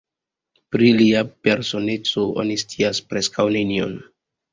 Pri lia personeco oni scias preskaŭ nenion.